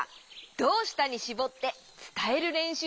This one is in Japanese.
「どうした」にしぼってつたえるれんしゅうをしよう！